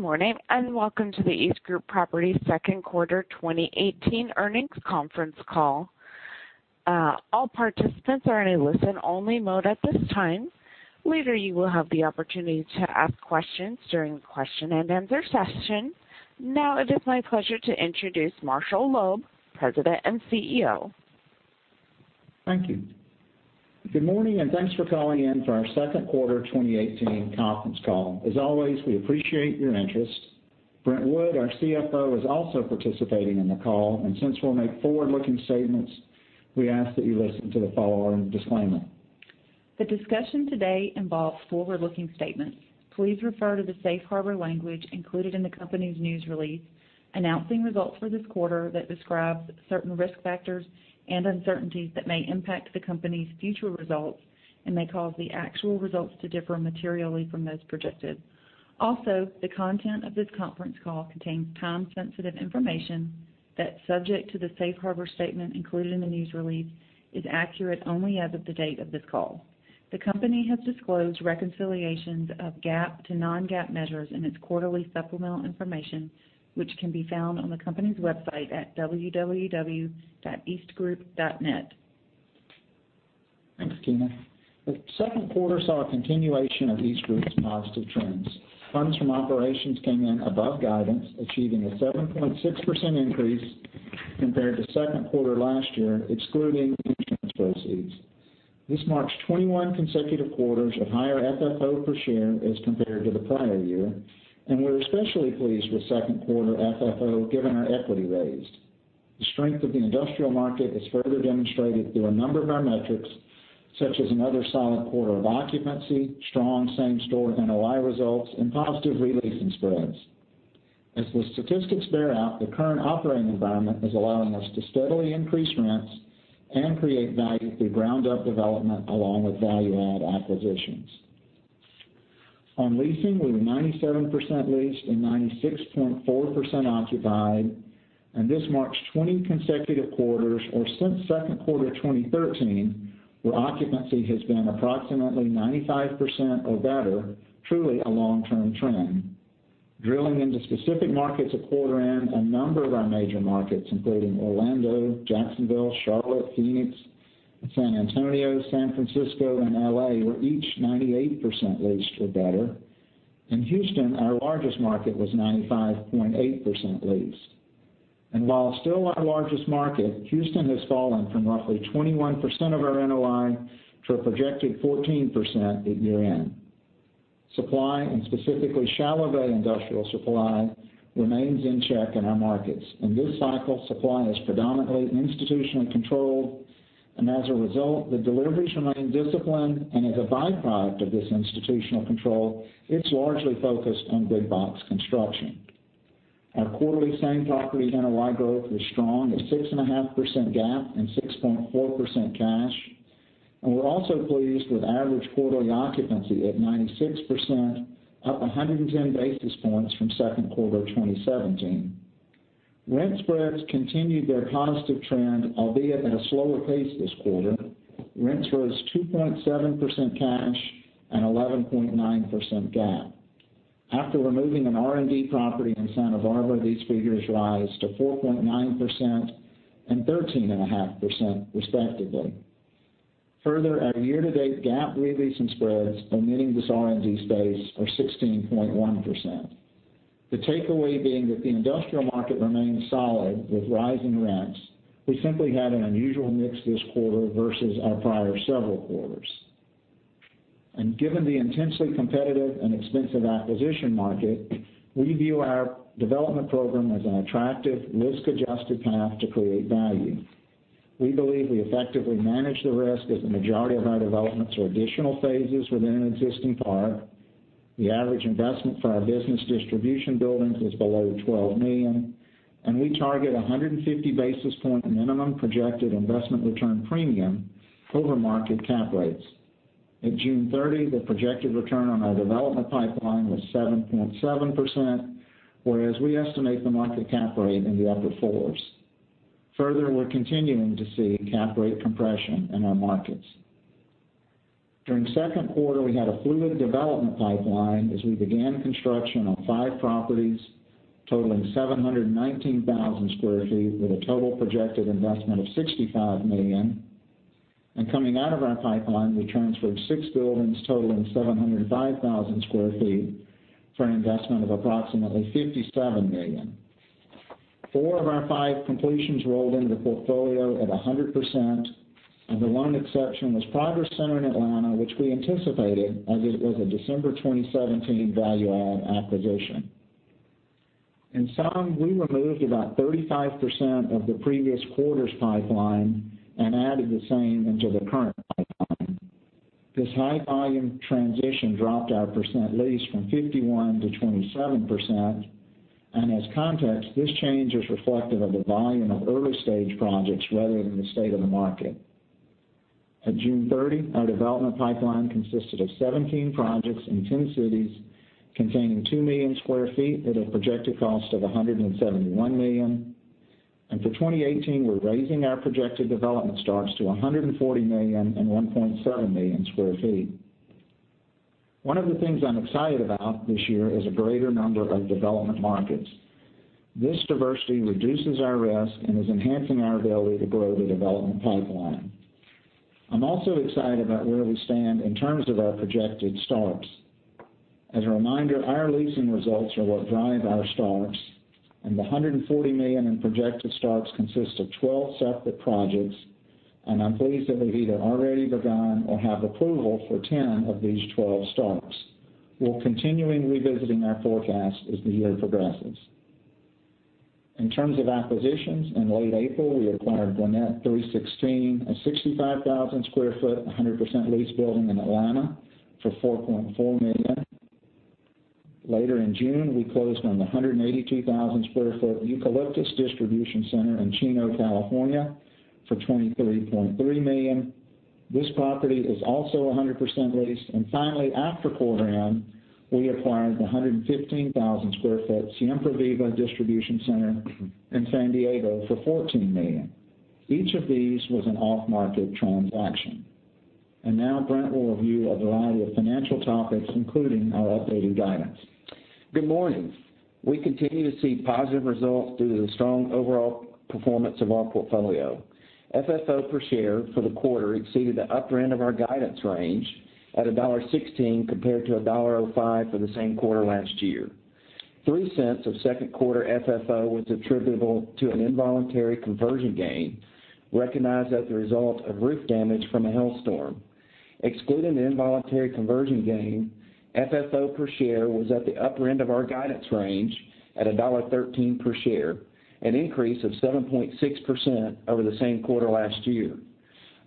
Good morning, welcome to the EastGroup Properties second quarter 2018 earnings conference call. All participants are in a listen-only mode at this time. Later, you will have the opportunity to ask questions during the question and answer session. Now it is my pleasure to introduce Marshall Loeb, President and CEO. Thank you. Good morning, thanks for calling in for our second quarter 2018 conference call. As always, we appreciate your interest. Brent Wood, our CFO, is also participating in the call. Since we'll make forward-looking statements, we ask that you listen to the following disclaimer. The discussion today involves forward-looking statements. Please refer to the safe harbor language included in the company's news release announcing results for this quarter that describes certain risk factors and uncertainties that may impact the company's future results and may cause the actual results to differ materially from those projected. Also, the content of this conference call contains time-sensitive information that, subject to the safe harbor statement included in the news release, is accurate only as of the date of this call. The company has disclosed reconciliations of GAAP to non-GAAP measures in its quarterly supplemental information, which can be found on the company's website at www.eastgroup.net. Thanks, Keena. The second quarter saw a continuation of EastGroup's positive trends. Funds from operations came in above guidance, achieving a 7.6% increase compared to second quarter last year, excluding insurance proceeds. This marks 21 consecutive quarters of higher FFO per share as compared to the prior year. We're especially pleased with second quarter FFO, given our equity raise. The strength of the industrial market is further demonstrated through a number of our metrics, such as another solid quarter of occupancy, strong same-store NOI results, positive re-leasing spreads. As the statistics bear out, the current operating environment is allowing us to steadily increase rents and create value through ground-up development along with value-add acquisitions. On leasing, we were 97% leased and 96.4% occupied. This marks 20 consecutive quarters, or since second quarter 2013, where occupancy has been approximately 95% or better, truly a long-term trend. Drilling into specific markets at quarter end, a number of our major markets, including Orlando, Jacksonville, Charlotte, Phoenix, San Antonio, San Francisco, and L.A. were each 98% leased or better. In Houston, our largest market was 95.8% leased. While still our largest market, Houston has fallen from roughly 21% of our NOI to a projected 14% at year-end. Supply, specifically shallow bay industrial supply, remains in check in our markets. In this cycle, supply is predominantly institutionally controlled, as a result, the deliveries remain disciplined, as a byproduct of this institutional control, it's largely focused on big box construction. Our quarterly same property NOI growth was strong at 6.5% GAAP and 6.4% cash. We're also pleased with average quarterly occupancy at 96%, up 110 basis points from second quarter 2017. Rent spreads continued their positive trend, albeit at a slower pace this quarter. Rents rose 2.7% cash and 11.9% GAAP. After removing an R&D property in Santa Barbara, these figures rise to 4.9% and 13.5% respectively. Further, our year-to-date GAAP re-leasing spreads, omitting this R&D space, are 16.1%. The takeaway being that the industrial market remains solid with rising rents. We simply had an unusual mix this quarter versus our prior several quarters. Given the intensely competitive and expensive acquisition market, we view our development program as an attractive, risk-adjusted path to create value. We believe we effectively manage the risk as the majority of our developments are additional phases within an existing park. The average investment for our business distribution buildings was below $12 million. We target 150 basis point minimum projected investment return premium over market cap rates. At June 30, the projected return on our development pipeline was 7.7%, whereas we estimate the market cap rate in the upper fours. Further, we're continuing to see cap rate compression in our markets. During second quarter, we had a fluid development pipeline as we began construction on five properties totaling 719,000 sq ft with a total projected investment of $65 million. Coming out of our pipeline, we transferred six buildings totaling 705,000 sq ft for an investment of approximately $57 million. Four of our five completions rolled into the portfolio at 100%. The one exception was Progress Center in Atlanta, which we anticipated, as it was a December 2017 value add acquisition. In sum, we removed about 35% of the previous quarter's pipeline and added the same into the current pipeline. This high volume transition dropped our percent lease from 51% to 27%. As context, this change is reflective of the volume of early-stage projects rather than the state of the market. At June 30, our development pipeline consisted of 17 projects in 10 cities containing 2 million sq ft with a projected cost of $171 million. For 2018, we're raising our projected development starts to $140 million and 1.7 million sq ft. One of the things I'm excited about this year is a greater number of development markets. This diversity reduces our risk and is enhancing our ability to grow the development pipeline. I'm also excited about where we stand in terms of our projected starts. As a reminder, our leasing results are what drive our starts. The $140 million in projected starts consists of 12 separate projects, and I'm pleased that we've either already begun or have approval for 10 of these 12 starts. We're continuing revisiting our forecast as the year progresses. In terms of acquisitions, in late April, we acquired Gwinnett 316, a 65,000 sq ft, 100% leased building in Atlanta for $4.4 million. Later in June, we closed on the 182,000 sq ft Eucalyptus Distribution Center in Chino, California for $23.3 million. This property is also 100% leased. Finally, after quarter end, we acquired the 115,000 sq ft Siempre Viva Distribution Center in San Diego for $14 million. Each of these was an off-market transaction. Now Brent will review a variety of financial topics, including our updated guidance. Good morning. We continue to see positive results due to the strong overall performance of our portfolio. FFO per share for the quarter exceeded the upper end of our guidance range at $1.16 compared to $1.05 for the same quarter last year. $0.03 of second quarter FFO was attributable to an involuntary conversion gain recognized as the result of roof damage from a hail storm. Excluding the involuntary conversion gain, FFO per share was at the upper end of our guidance range at $1.13 per share, an increase of 7.6% over the same quarter last year.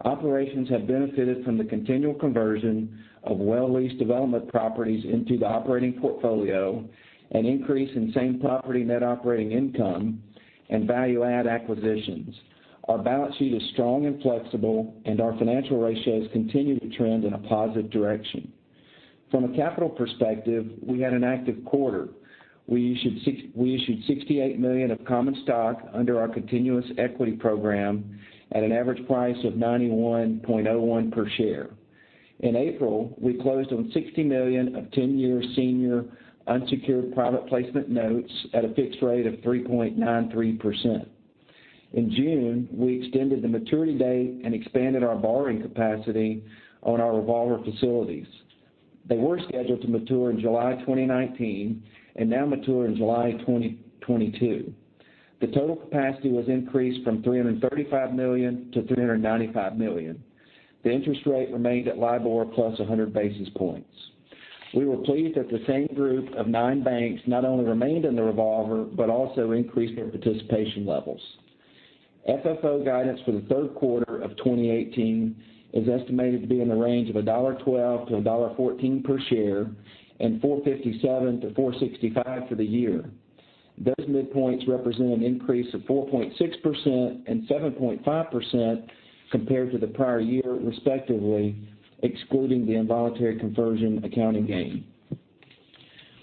Operations have benefited from the continual conversion of well-leased development properties into the operating portfolio, an increase in same property NOI, and value-add acquisitions. Our balance sheet is strong and flexible. Our financial ratios continue to trend in a positive direction. From a capital perspective, we had an active quarter. We issued $68 million of common stock under our continuous equity program at an average price of $91.01 per share. In April, we closed on $60 million of 10-year senior unsecured private placement notes at a fixed rate of 3.93%. In June, we extended the maturity date and expanded our borrowing capacity on our revolver facilities. They were scheduled to mature in July 2019 and now mature in July 2022. The total capacity was increased from $335 million to $395 million. The interest rate remained at LIBOR plus 100 basis points. We were pleased that the same group of nine banks not only remained in the revolver, but also increased their participation levels. FFO guidance for the third quarter of 2018 is estimated to be in the range of $1.12-$1.14 per share and $4.57-$4.65 for the year. Those midpoints represent an increase of 4.6% and 7.5% compared to the prior year, respectively, excluding the involuntary conversion accounting gain.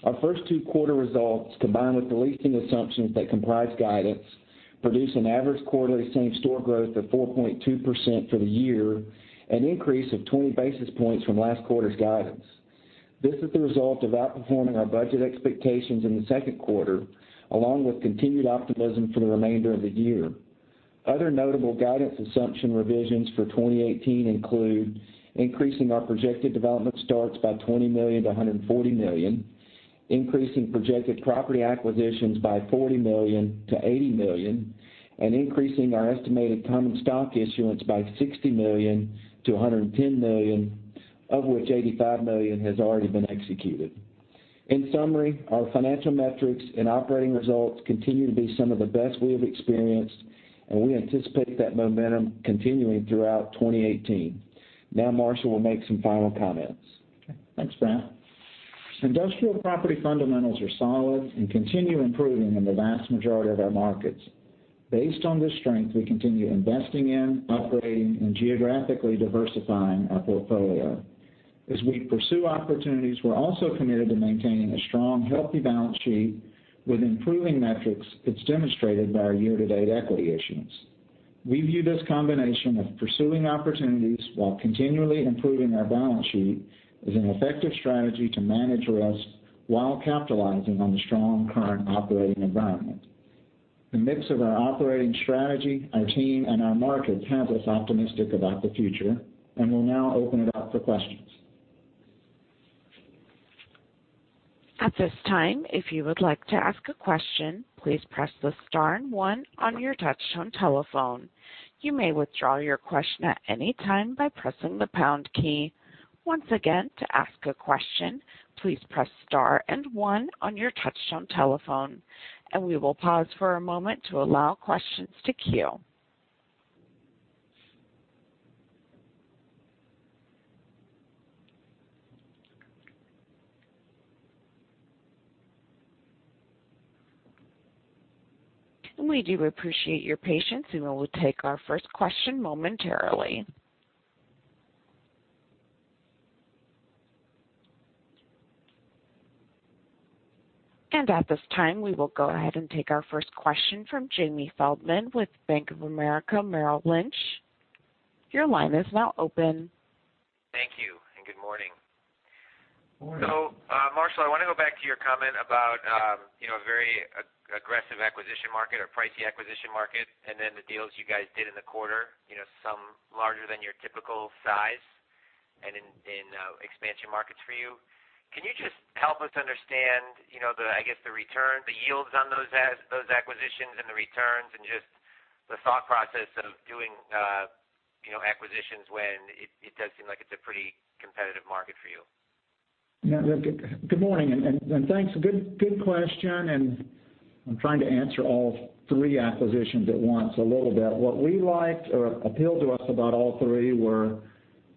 Our first two-quarter results, combined with the leasing assumptions that comprise guidance, produce an average quarterly same store growth of 4.2% for the year, an increase of 20 basis points from last quarter's guidance. This is the result of outperforming our budget expectations in the second quarter, along with continued optimism for the remainder of the year. Other notable guidance assumption revisions for 2018 include increasing our projected development starts by $20 million-$140 million, increasing projected property acquisitions by $40 million-$80 million, and increasing our estimated common stock issuance by $60 million-$110 million, of which $85 million has already been executed. In summary, our financial metrics and operating results continue to be some of the best we have experienced. We anticipate that momentum continuing throughout 2018. Marshall will make some final comments. Okay, thanks, Brent. Industrial property fundamentals are solid and continue improving in the vast majority of our markets. Based on this strength, we continue investing in, operating, and geographically diversifying our portfolio. As we pursue opportunities, we're also committed to maintaining a strong, healthy balance sheet with improving metrics that's demonstrated by our year-to-date equity issuance. We view this combination of pursuing opportunities while continually improving our balance sheet as an effective strategy to manage risk while capitalizing on the strong current operating environment. The mix of our operating strategy, our team, and our markets have us optimistic about the future. We'll now open it up for questions. At this time, if you would like to ask a question, please press the star and one on your touchtone telephone. You may withdraw your question at any time by pressing the pound key. Once again, to ask a question, please press star and one on your touchtone telephone. We will pause for a moment to allow questions to queue. We do appreciate your patience, and we will take our first question momentarily. At this time, we will go ahead and take our first question from Jamie Feldman with Bank of America Merrill Lynch. Your line is now open. Thank you and good morning. Morning. Marshall, I want to go back to your comment about a very aggressive acquisition market or pricey acquisition market, and then the deals you guys did in the quarter, some larger than your typical size and in expansion markets for you. Can you just help us understand, I guess the yields on those acquisitions and the returns and just the thought process of doing acquisitions when it does seem like it's a pretty competitive market for you? Good morning, and thanks. Good question, I'm trying to answer all three acquisitions at once a little bit. What we liked or appealed to us about all three were,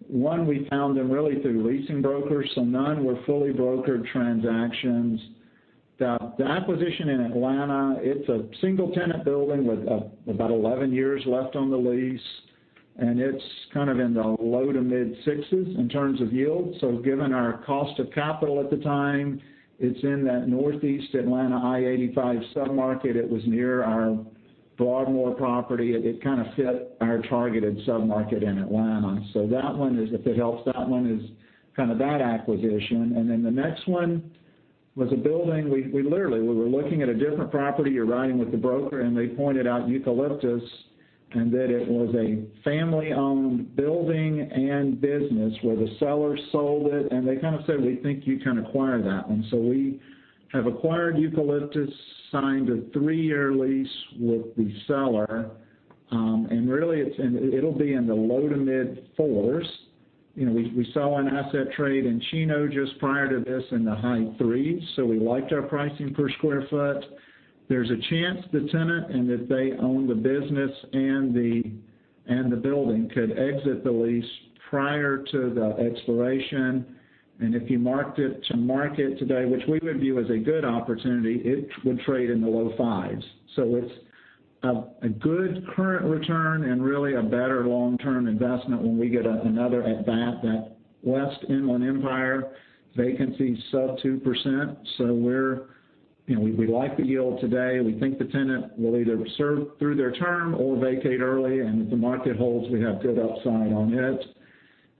one, we found them really through leasing brokers. None were fully brokered transactions. The acquisition in Atlanta, it's a single-tenant building with about 11 years left on the lease, and it's kind of in the low to mid sixes in terms of yield. Given our cost of capital at the time, it's in that Northeast Atlanta I-85 sub-market. It was near our Broadmoor property. It kind of fit our targeted sub-market in Atlanta. If it helps, that one is kind of that acquisition. Then the next one was a building, we were looking at a different property, you're riding with the broker, they pointed out Eucalyptus and that it was a family-owned building and business where the seller sold it, they kind of said, "We think you can acquire that one." We have acquired Eucalyptus, signed a three-year lease with the seller. Really, it'll be in the low to mid fours. We saw an asset trade in Chino just prior to this in the high threes, we liked our pricing per square foot. There's a chance the tenant, if they own the business and the building, could exit the lease prior to the expiration. If you marked it to market today, which we would view as a good opportunity, it would trade in the low fives. It's a good current return and really a better long-term investment when we get another at-bat. That West Inland Empire vacancy sub 2%. We like the yield today. We think the tenant will either serve through their term or vacate early. If the market holds, we have good upside on it.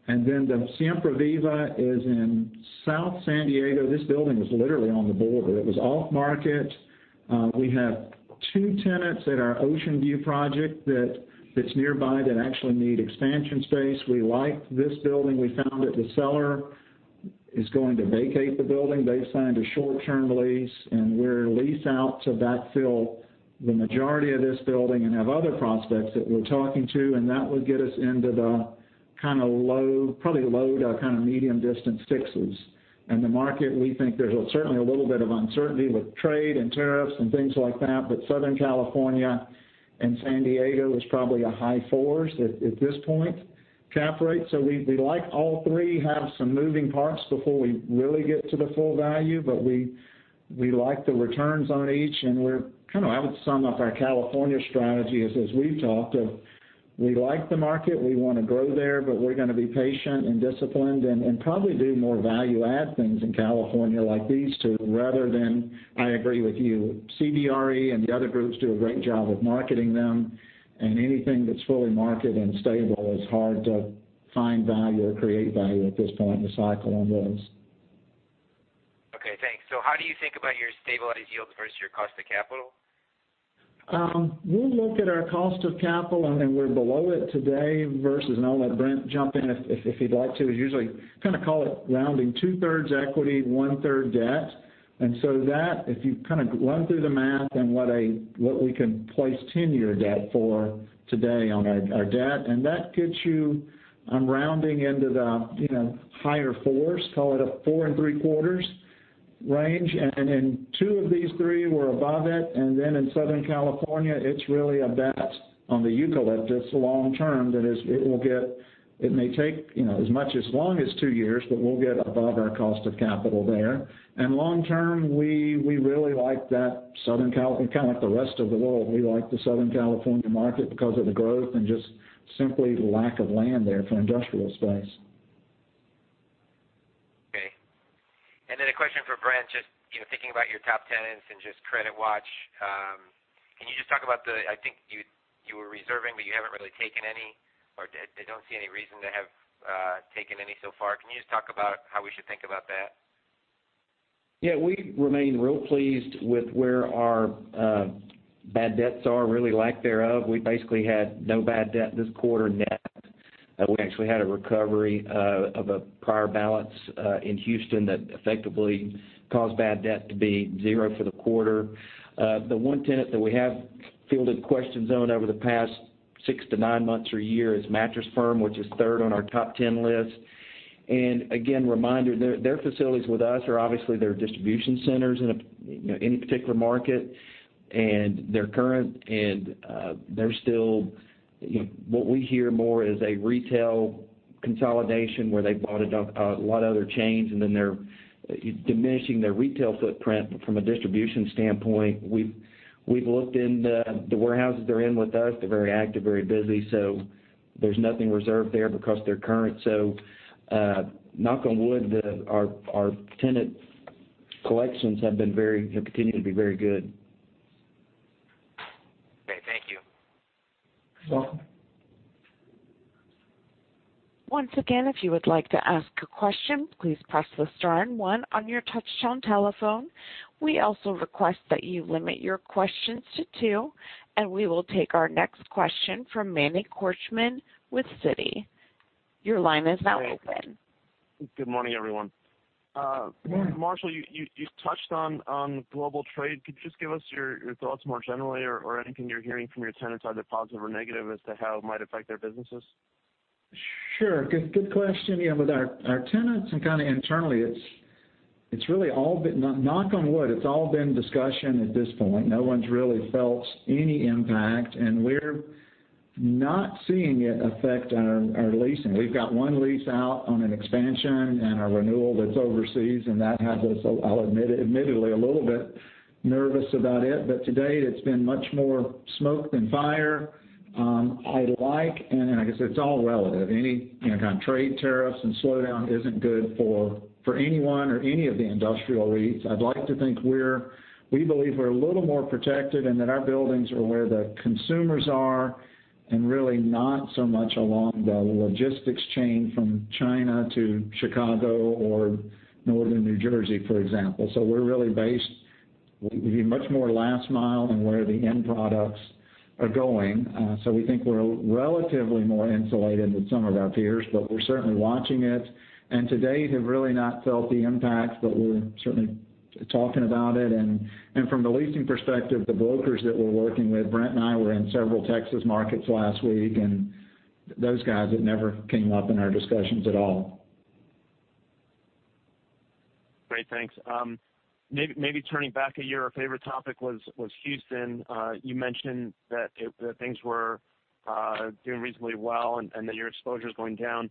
Then the Siempre Viva is in South San Diego. This building is literally on the border. It was off-market. We have two tenants at our Ocean View project that's nearby that actually need expansion space. We liked this building. We found that the seller is going to vacate the building. They've signed a short-term lease, we're leased out to backfill the majority of this building and have other prospects that we're talking to, that would get us into the kind of low, probably low to kind of medium distance sixes. The market, we think there's certainly a little bit of uncertainty with trade and tariffs and things like that, but Southern California and San Diego is probably a high 4s at this point, cap rate. We like all three, have some moving parts before we really get to the full value, but we like the returns on each. I would sum up our California strategy as we've talked of, we like the market, we want to grow there, but we're going to be patient and disciplined and probably do more value add things in California like these two rather than, I agree with you, CBRE and the other groups do a great job of marketing them, and anything that's fully marketed and stable is hard to find value or create value at this point in the cycle on those. Thanks. How do you think about your stabilized yields versus your cost of capital? We look at our cost of capital. We're below it today versus, I'll let Brent jump in if he'd like to. Usually call it rounding two-thirds equity, one-third debt. That, if you run through the math on what we can place tenor debt for today on our debt, that gets you, I'm rounding into the higher 4s, call it a four and three quarters range. In two of these three, we're above it, and in Southern California, it's really a bet on the Eucalyptus long term that it may take as much as long as two years, but we'll get above our cost of capital there. Long term, we really like that Southern California, like the rest of the world, we like the Southern California market because of the growth and just simply lack of land there for industrial space. Okay. A question for Brent, just thinking about your top tenants and just credit watch. Can you just talk about the, I think you were reserving, but you haven't really taken any, or I don't see any reason to have taken any so far. Can you just talk about how we should think about that? Yeah. We remain real pleased with where our bad debts are, really lack thereof. We basically had no bad debt this quarter net. We actually had a recovery of a prior balance in Houston that effectively caused bad debt to be zero for the quarter. The one tenant that we have fielded questions on over the past six to nine months or a year is Mattress Firm, which is third on our top 10 list. Again, reminder, their facilities with us are obviously their distribution centers in any particular market, and they're current, and they're still What we hear more is a retail consolidation where they bought a lot of other chains, and then they're diminishing their retail footprint. From a distribution standpoint, we've looked in the warehouses they're in with us. They're very active, very busy. There's nothing reserved there because they're current. Knock on wood, our tenant collections have continued to be very good. You're welcome. Once again, if you would like to ask a question, please press the star and one on your touchtone telephone. We also request that you limit your questions to two, and we will take our next question from Manny Korchman with Citi. Your line is now open. Good morning, everyone. Good morning. Marshall, you touched on global trade. Could you just give us your thoughts more generally or anything you're hearing from your tenants, either positive or negative, as to how it might affect their businesses? Sure. Good question. With our tenants and kind of internally, knock on wood, it's all been discussion at this point. No one's really felt any impact, and we're not seeing it affect our leasing. We've got one lease out on an expansion and a renewal that's overseas, and that has us, admittedly, a little bit nervous about it. To date, it's been much more smoke than fire. I guess it's all relative, any kind of trade tariffs and slowdown isn't good for anyone or any of the industrial REITs. I'd like to think we believe we're a little more protected and that our buildings are where the consumers are and really not so much along the logistics chain from China to Chicago or northern New Jersey, for example. We're really based, we'd be much more last mile and where the end products are going. We think we're relatively more insulated than some of our peers, but we're certainly watching it. To date, have really not felt the impact, but we're certainly talking about it. From the leasing perspective, the brokers that we're working with, Brent and I were in several Texas markets last week, and those guys, it never came up in our discussions at all. Great. Thanks. Maybe turning back a year, a favorite topic was Houston. You mentioned that things were doing reasonably well and that your exposure's going down.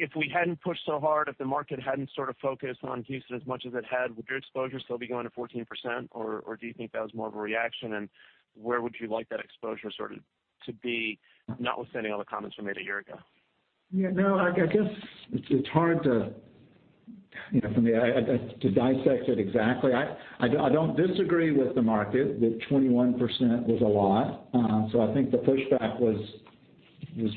If we hadn't pushed so hard, if the market hadn't sort of focused on Houston as much as it had, would your exposure still be going to 14%? Or do you think that was more of a reaction, and where would you like that exposure sort of to be, notwithstanding all the comments you made a year ago? I guess it's hard to dissect it exactly. I don't disagree with the market that 21% was a lot. I think the pushback was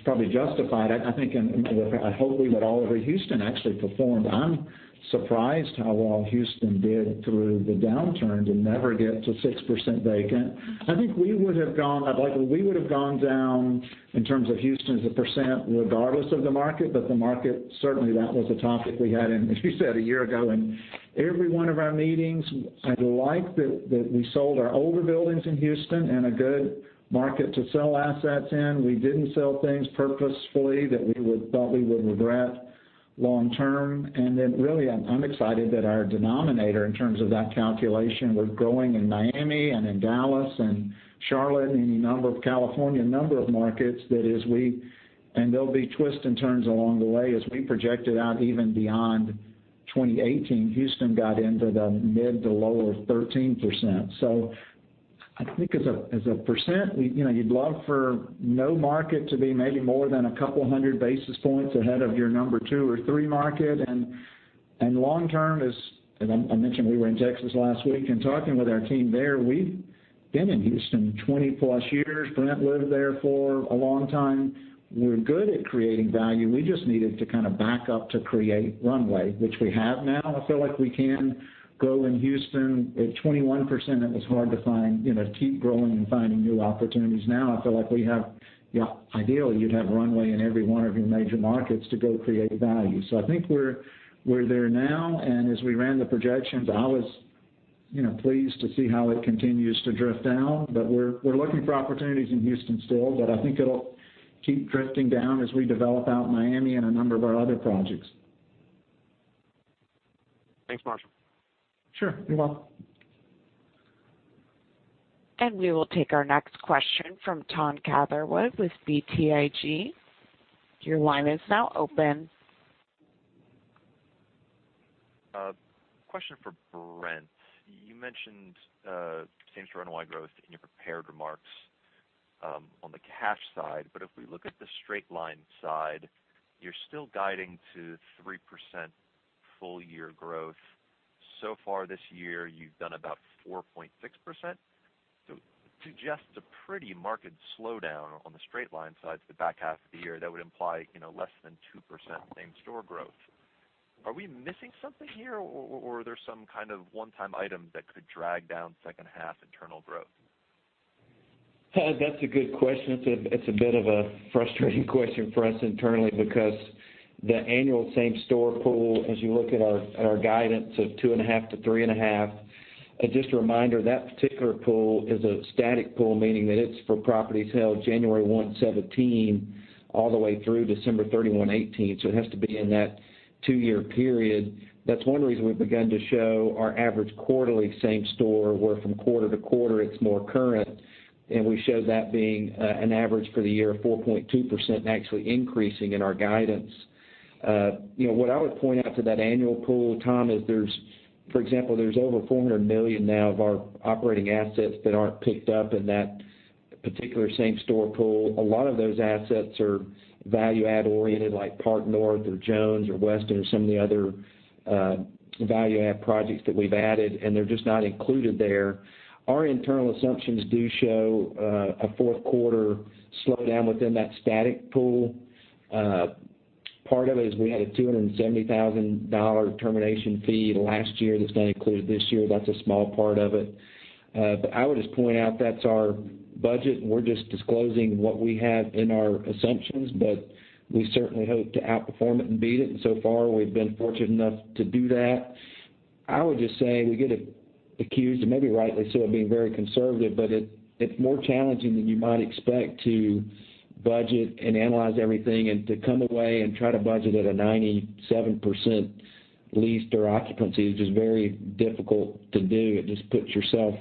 probably justified. I think, and I hope we would all agree, Houston actually performed. I'm surprised how well Houston did through the downturn and never get to 6% vacant. I think we would've gone down in terms of Houston as a percent regardless of the market, but the market, certainly that was a topic we had in, as you said, a year ago, in every one of our meetings. I like that we sold our older buildings in Houston in a good market to sell assets in. We didn't sell things purposefully that we thought we would regret long-term. Really, I'm excited that our denominator in terms of that calculation, we're growing in Miami and in Dallas and Charlotte and any number of California, a number of markets. There'll be twists and turns along the way as we projected out even beyond 2018. Houston got into the mid to lower 13%. I think as a percent, you'd love for no market to be maybe more than a couple hundred basis points ahead of your number two or three market. Long-term, as I mentioned, we were in Texas last week and talking with our team there. We've been in Houston 20-plus years. Brent lived there for a long time. We're good at creating value. We just needed to kind of back up to create runway, which we have now. I feel like we can grow in Houston. At 21%, it was hard to keep growing and finding new opportunities. Now, I feel like ideally, you'd have runway in every one of your major markets to go create value. I think we're there now, and as we ran the projections, I was pleased to see how it continues to drift down. We're looking for opportunities in Houston still, I think it'll keep drifting down as we develop out Miami and a number of our other projects. Thanks, Marshall. Sure. You're welcome. We will take our next question from Thomas Catherwood with BTIG. Your line is now open. A question for Brent. You mentioned same-store wide growth in your prepared remarks on the cash side. If we look at the straight-line side, you're still guiding to 3% full-year growth. So far this year, you've done about 4.6%. It suggests a pretty market slowdown on the straight-line side to the back half of the year. That would imply less than 2% same-store growth. Are we missing something here, or are there some kind of one-time item that could drag down second half internal growth? That's a good question. It's a bit of a frustrating question for us internally because the annual same-store pool, as you look at our guidance of 2.5%-3.5%. Just a reminder, that particular pool is a static pool, meaning that it's for properties held January 1, 2017, all the way through December 31, 2018. It has to be in that two-year period. That's one reason we've begun to show our average quarterly same store, where from quarter to quarter, it's more current. We show that being an average for the year of 4.2% and actually increasing in our guidance. I would point out to that annual pool, Tom, is for example, there's over $400 million now of our operating assets that aren't picked up in that particular same-store pool. A lot of those assets are value-add oriented, like Park North or Jones or Weston or some of the other value-add projects that we've added, and they're just not included there. Our internal assumptions do show a fourth quarter slowdown within that static pool. Part of it is we had a $270,000 termination fee last year that's not included this year. That's a small part of it. I would just point out that's our budget, and we're just disclosing what we have in our assumptions, but we certainly hope to outperform it and beat it, and so far, we've been fortunate enough to do that. I would just say we get accused, and maybe rightly so, of being very conservative, but it's more challenging than you might expect to budget and analyze everything and to come away and try to budget at a 97% lease or occupancy is just very difficult to do. It just puts yourself,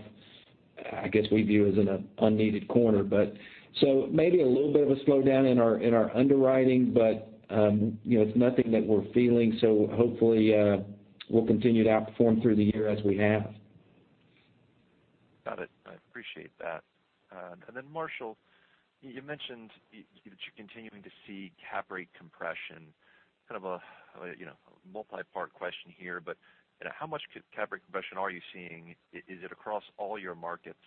I guess we view, as in an unneeded corner. Maybe a little bit of a slowdown in our underwriting, but it's nothing that we're feeling. Hopefully, we'll continue to outperform through the year as we have. Got it. I appreciate that. Marshall, you mentioned that you're continuing to see cap rate compression. Kind of a multi-part question here, but how much cap rate compression are you seeing? Is it across all your markets?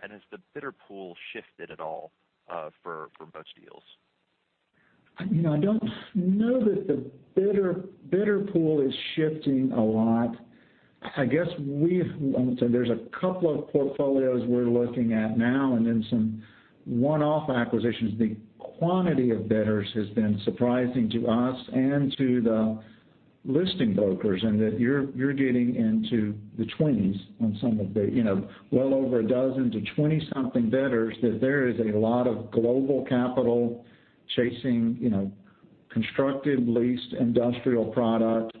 Has the bidder pool shifted at all for most deals? I don't know that the bidder pool is shifting a lot. I guess there's a couple of portfolios we're looking at now and then some one-off acquisitions. The quantity of bidders has been surprising to us and to the listing brokers, and that you're getting into the 20s Well over a dozen to 20-something bidders, there is a lot of global capital chasing constructed, leased industrial product.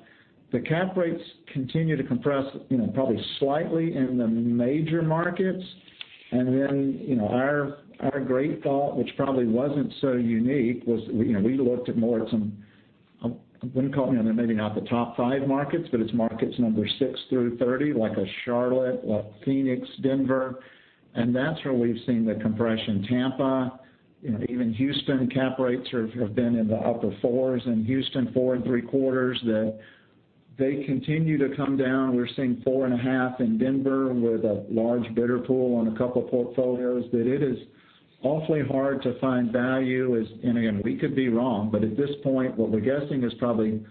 The cap rates continue to compress, probably slightly in the major markets. Our great thought, which probably wasn't so unique, was we looked at more at some, wouldn't call maybe not the top five markets, but it's markets number 6 through 30, like a Charlotte, like Phoenix, Denver. That's where we've seen the compression. Tampa, even Houston, cap rates have been in the upper fours in Houston, 4.75, that they continue to come down. We're seeing 4.5% in Denver with a large bidder pool on a couple portfolios, but it is awfully hard to find value as, again, we could be wrong, but at this point, what we're guessing is probably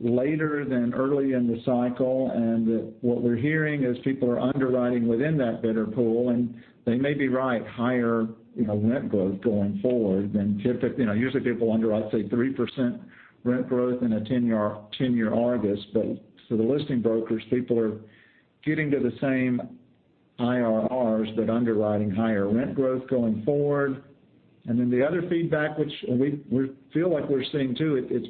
later than early in the cycle. What we're hearing is people are underwriting within that bidder pool, and they may be right, higher rent growth going forward than typically. Usually, people underwrite, say, 3% rent growth in a 10-year ARGUS. The listing brokers, people are getting to the same IRRs, but underwriting higher rent growth going forward. The other feedback, which we feel like we're seeing too, it's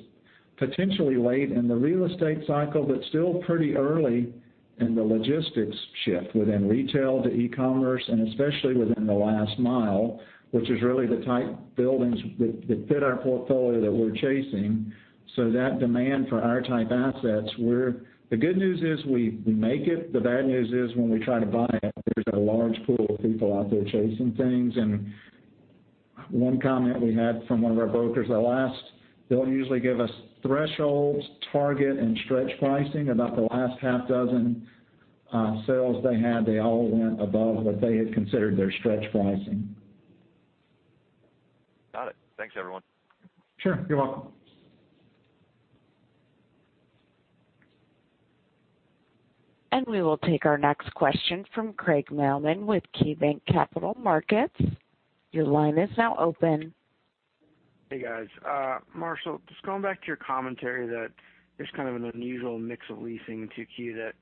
potentially late in the real estate cycle, but still pretty early in the logistics shift within retail to e-commerce, and especially within the last mile, which is really the type of buildings that fit our portfolio that we're chasing. That demand for our type assets, the good news is we make it. The bad news is when we try to buy it, there's a large pool of people out there chasing things. One comment we had from one of our brokers, they'll usually give us thresholds, target, and stretch pricing. About the last half dozen sales they had, they all went above what they had considered their stretch pricing. Got it. Thanks, everyone. Sure. You're welcome. We will take our next question from Craig Mailman with KeyBanc Capital Markets. Your line is now open. Hey, guys. Marshall, just going back to your commentary that there's kind of an unusual mix of leasing in 2Q that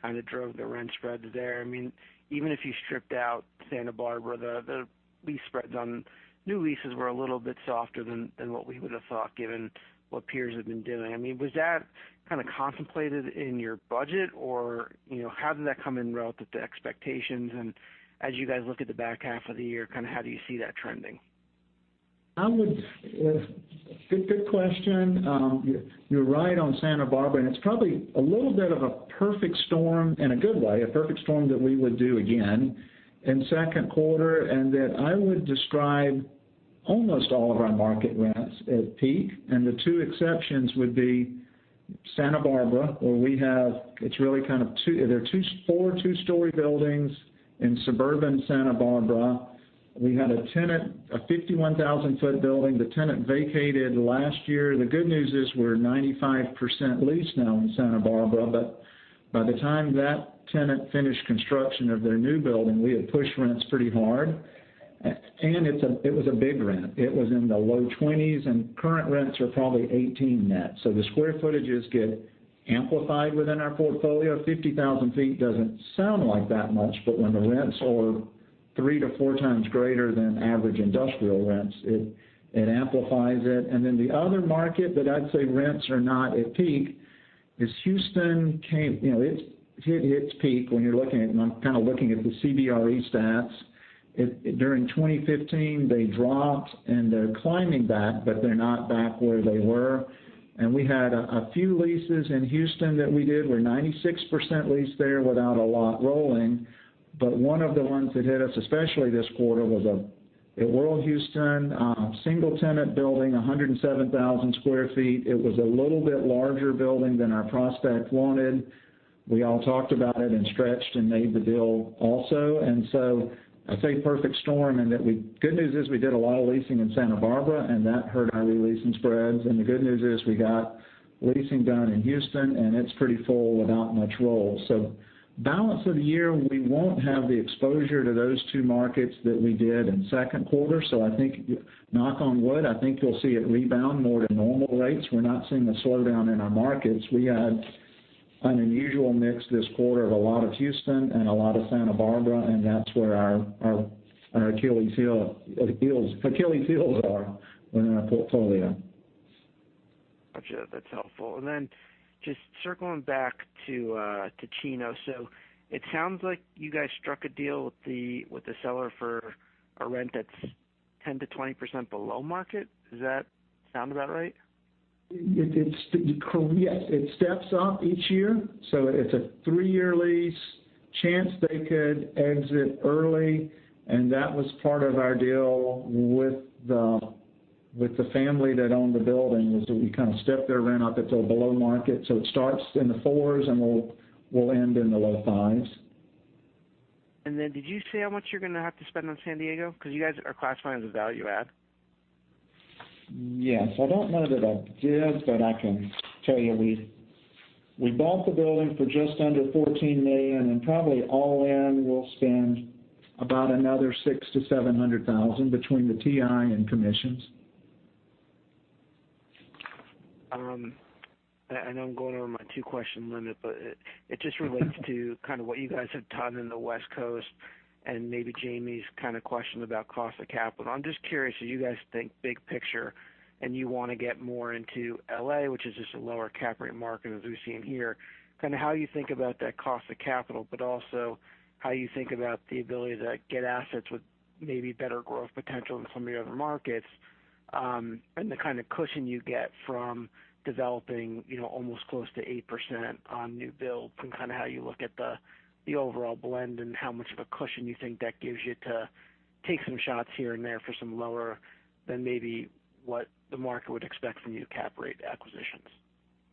kind of drove the rent spreads there. Even if you stripped out Santa Barbara, the lease spreads on new leases were a little bit softer than what we would have thought, given what peers have been doing. Was that kind of contemplated in your budget or how did that come in relative to expectations? As you guys look at the back half of the year, how do you see that trending? Good question. You're right on Santa Barbara, and it's probably a little bit of a perfect storm in a good way, a perfect storm that we would do again. In Q2, and that I would describe almost all of our market rents at peak, and the two exceptions would be Santa Barbara, where we have There are four two-story buildings in suburban Santa Barbara. We had a 51,000-foot building. The tenant vacated last year. The good news is we're 95% leased now in Santa Barbara, but by the time that tenant finished construction of their new building, we had pushed rents pretty hard. It was a big rent. It was in the low 20s, and current rents are probably 18 net. The square footages get amplified within our portfolio. 50,000 feet doesn't sound like that much, but when the rents are three to four times greater than average industrial rents, it amplifies it. The other market that I'd say rents are not at peak is Houston. It hit its peak when you're looking at, and I'm kind of looking at the CBRE stats. During 2015, they dropped, and they're climbing back, but they're not back where they were. We had a few leases in Houston that we did. We're 96% leased there without a lot rolling. One of the ones that hit us, especially this quarter, was a rural Houston single-tenant building, 107,000 square feet. It was a little bit larger building than our prospect wanted. We all talked about it and stretched and made the deal also. I say perfect storm, and the good news is we did a lot of leasing in Santa Barbara, and that hurt our re-leasing spreads. The good news is we got leasing done in Houston, and it's pretty full without much roll. Balance of the year, we won't have the exposure to those two markets that we did in second quarter. I think, knock on wood, I think you'll see it rebound more to normal rates. We're not seeing a slowdown in our markets. We had an unusual mix this quarter of a lot of Houston and a lot of Santa Barbara, and that's where our Achilles' heels are in our portfolio. Gotcha. That's helpful. Just circling back to Chino. It sounds like you guys struck a deal with the seller for a rent that's 10%-20% below market. Does that sound about right? Yes. It steps up each year. It's a three-year lease, chance they could exit early, and that was part of our deal with the family that owned the building, was that we kind of stepped their rent up. It's below market. It starts in the fours and will end in the low fives. Did you say how much you're going to have to spend on San Diego? Because you guys are classified as a value add. Yes. I don't know that I did, but I can tell you, we bought the building for just under $14 million, probably all in, we'll spend about another $600,000 to $700,000 between the TI and commissions. I know I'm going over my two-question limit, it just relates to kind of what you guys have talked in the West Coast and maybe Jamie's kind of question about cost of capital. I'm just curious, as you guys think big picture, you want to get more into L.A., which is just a lower cap rate market as we've seen here, kind of how you think about that cost of capital, also how you think about the ability to get assets with maybe better growth potential in some of the other markets, the kind of cushion you get from developing almost close to 8% on new builds and kind of how you look at the overall blend and how much of a cushion you think that gives you to take some shots here and there for some lower than maybe what the market would expect from you to cap rate acquisitions.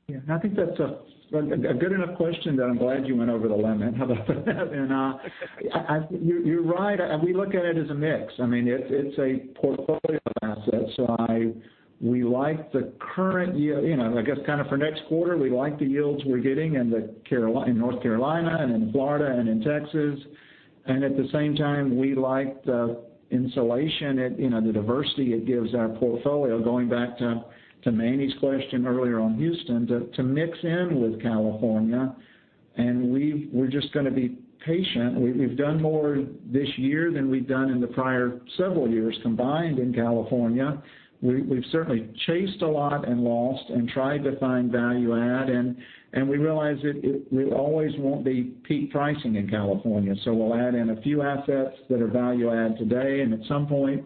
Yeah, I think that's a good enough question that I'm glad you went over the limit. How about that? You're right. We look at it as a mix. It's a portfolio of assets. We like the current yield. I guess kind of for next quarter, we like the yields we're getting in North Carolina and in Florida and in Texas. At the same time, we like the insulation, the diversity it gives our portfolio, going back to Manny's question earlier on Houston, to mix in with California, and we're just going to be patient. We've done more this year than we've done in the prior several years combined in California. We've certainly chased a lot and lost and tried to find value add, we realize it always won't be peak pricing in California. We'll add in a few assets that are value add today. At some point,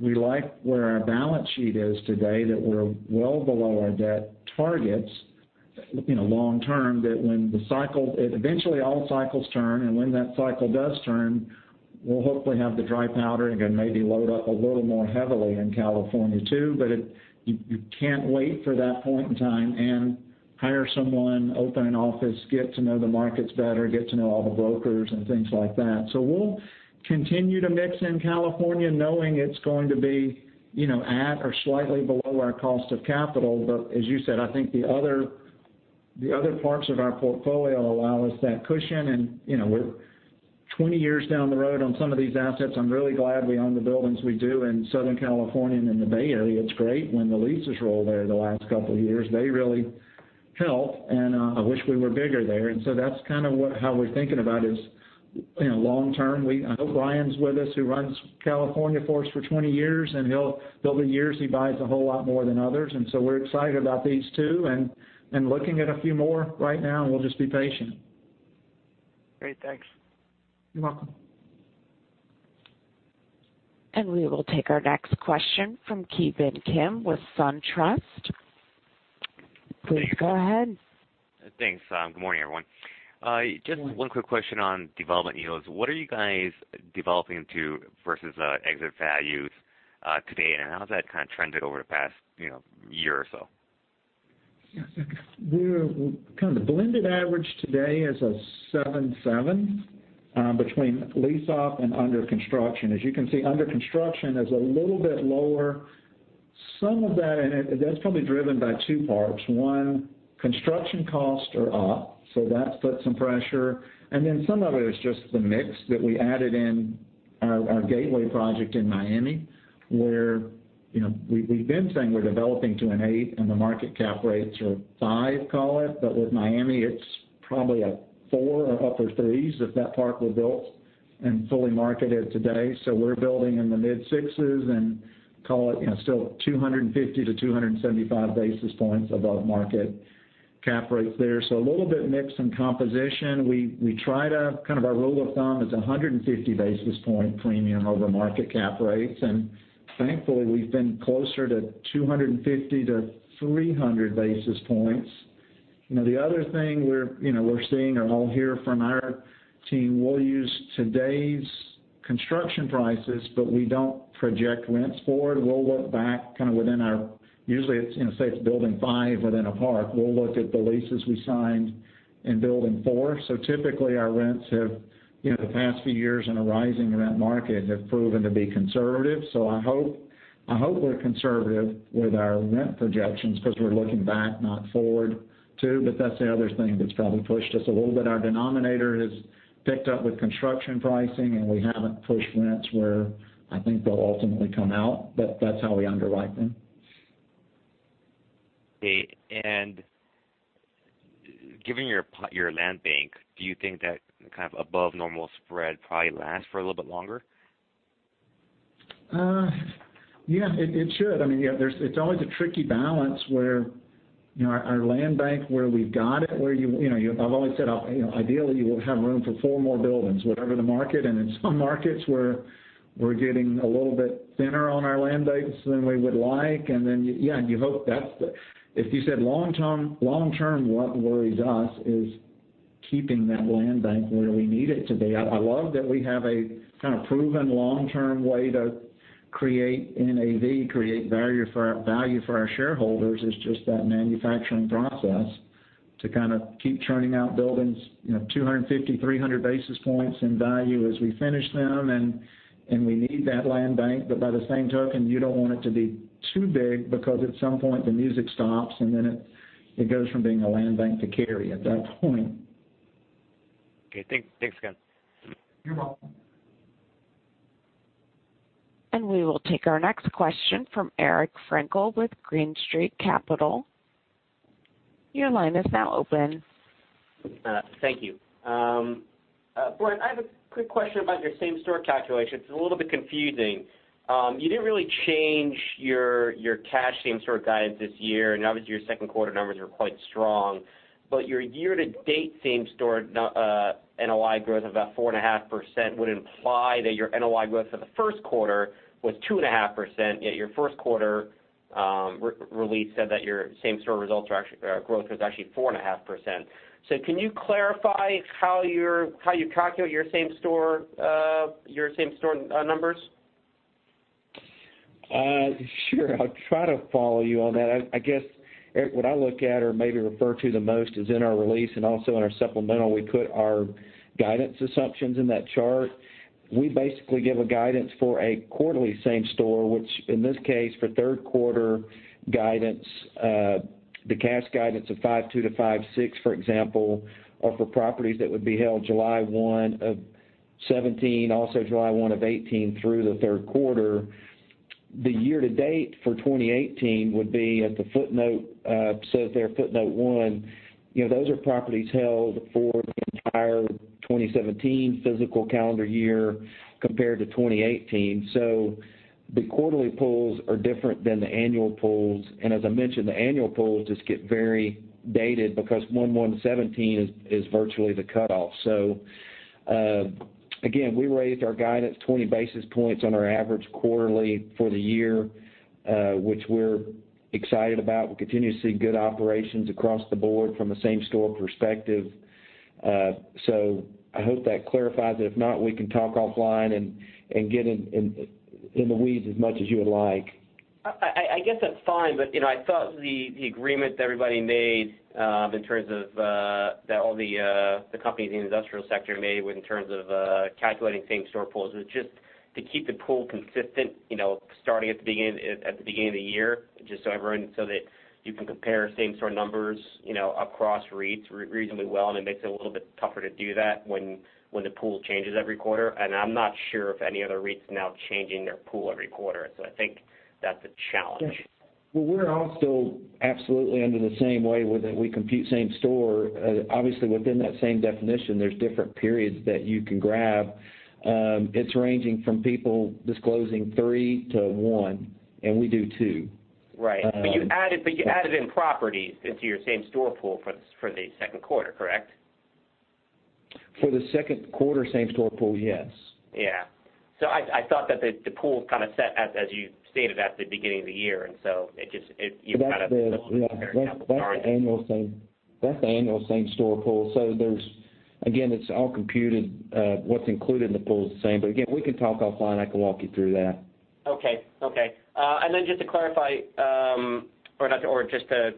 we like where our balance sheet is today, that we're well below our debt targets long term, that eventually all cycles turn, and when that cycle does turn, we'll hopefully have the dry powder and maybe load up a little more heavily in California, too. You can't wait for that point in time and hire someone, open an office, get to know the markets better, get to know all the brokers and things like that. We'll continue to mix in California knowing it's going to be at or slightly below our cost of capital. As you said, I think the other parts of our portfolio allow us that cushion, and we're 20 years down the road on some of these assets. I'm really glad we own the buildings we do in Southern California and in the Bay Area. It's great when the leases roll there the last couple of years. They really helped, and I wish we were bigger there. That's kind of how we're thinking about is long term. I hope Ryan's with us, who runs California for us for 20 years. There'll be years he buys a whole lot more than others. We're excited about these, too, looking at a few more right now, and we'll just be patient. Great. Thanks. You're welcome. We will take our next question from Ki Bin Kim with SunTrust. Thanks. Please go ahead. Thanks. Good morning, everyone. Morning. Just one quick question on development yields. What are you guys developing to versus exit values today, and how has that kind of trended over the past year or so? Yeah. Kind of the blended average today is a 7.7 between lease off and under construction. As you can see, under construction is a little bit lower. Some of that's probably driven by two parts. One, construction costs are up, so that's put some pressure, and then some of it is just the mix that we added in our Gateway project in Miami, where we've been saying we're developing to an eight and the market cap rates are five, call it. With Miami, it's probably a four or upper threes if that part were built and fully marketed today. We're building in the mid-sixes and call it still 250 to 275 basis points above market cap rates there. A little bit mix in composition. Our rule of thumb is 150 basis point premium over market cap rates, and thankfully, we've been closer to 250 to 300 basis points. The other thing we're seeing are all here from our team. We'll use today's construction prices, but we don't project rents forward. We'll look back within our Usually, say, it's building five within a park. We'll look at the leases we signed in building four. Typically, our rents have, the past few years in a rising rent market, have proven to be conservative. I hope we're conservative with our rent projections because we're looking back, not forward too. That's the other thing that's probably pushed us a little bit. Our denominator has picked up with construction pricing, and we haven't pushed rents where I think they'll ultimately come out. That's how we underwrite them. Okay. Given your land bank, do you think that above normal spread probably lasts for a little bit longer? Yeah. It should. It's always a tricky balance where our land bank, where we've got it, I've always said, ideally, you would have room for four more buildings, whatever the market. In some markets where we're getting a little bit thinner on our land banks than we would like. If you said long term, what worries us is keeping that land bank where we need it to be. I love that we have a kind of proven long-term way to create NAV, create value for our shareholders, is just that manufacturing process to kind of keep churning out buildings, 250, 300 basis points in value as we finish them. We need that land bank. By the same token, you don't want it to be too big, because at some point the music stops, and then it goes from being a land bank to carry at that point. Okay. Thanks again. You're welcome. We will take our next question from Eric Frankel with Green Street Advisors. Your line is now open. Thank you. Brent, I have a quick question about your same-store calculations. It's a little bit confusing. You didn't really change your cash same-store guidance this year, obviously, your second quarter numbers were quite strong. Your year-to-date same-store NOI growth of about 4.5% would imply that your NOI growth for the first quarter was 2.5%, yet your first quarter release said that your same-store growth was actually 4.5%. Can you clarify how you calculate your same-store numbers? Sure. I'll try to follow you on that. I guess, Eric, what I look at or maybe refer to the most is in our release and also in our supplemental, we put our guidance assumptions in that chart. We basically give a guidance for a quarterly same store, which in this case for third quarter guidance, the cash guidance of 5.2%-5.6%, for example, are for properties that would be held July 1, 2017, also July 1, 2018 through the third quarter. The year-to-date for 2018 would be at the footnote, it says there footnote one. Those are properties held for the entire 2017 physical calendar year compared to 2018. The quarterly pools are different than the annual pools. As I mentioned, the annual pools just get very dated because 1/1/2017 is virtually the cutoff. Again, we raised our guidance 20 basis points on our average quarterly for the year, which we're excited about. We continue to see good operations across the board from a same-store perspective. I hope that clarifies it. If not, we can talk offline and get in the weeds as much as you would like. I guess that's fine, I thought the agreement that everybody made in terms of that all the companies in the industrial sector made in terms of calculating same-store pools was just to keep the pool consistent starting at the beginning of the year, just so that you can compare same-store numbers across REITs reasonably well, it makes it a little bit tougher to do that when the pool changes every quarter. I'm not sure if any other REITs are now changing their pool every quarter. I think that's a challenge. Well, we're all still absolutely under the same way that we compute same-store. Obviously, within that same definition, there's different periods that you can grab. It's ranging from people disclosing three to one, and we do two. Right. You added in properties into your same-store pool for the second quarter, correct? For the second quarter same-store pool, yes. Yeah. I thought that the pool kind of set, as you stated, at the beginning of the year. That's you kind of That's the annual same-store pool. Again, it's all computed. What's included in the pool is the same. Again, we can talk offline. I can walk you through that. Okay. Then just to clarify, or just to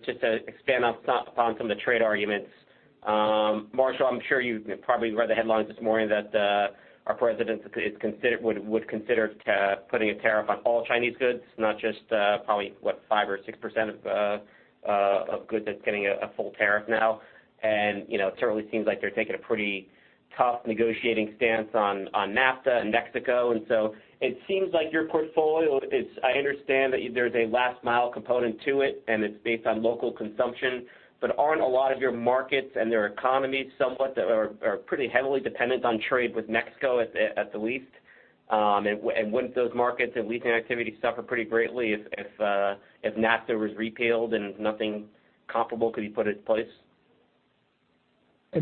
expand on some of the trade arguments. Marshall, I'm sure you probably read the headlines this morning that our president would consider putting a tariff on all Chinese goods, not just probably, what, 5% or 6% of goods that's getting a full tariff now. It certainly seems like they're taking a pretty tough negotiating stance on NAFTA and Mexico. It seems like your portfolio is, I understand that there's a last-mile component to it, and it's based on local consumption. Aren't a lot of your markets and their economies somewhat are pretty heavily dependent on trade with Mexico, at the least? Wouldn't those markets and leasing activities suffer pretty greatly if NAFTA was repealed and nothing comparable could be put in place?